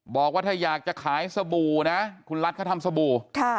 บอกว่าถ้าอยากจะขายสบู่นะคุณรัฐเขาทำสบู่